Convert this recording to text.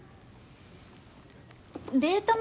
デート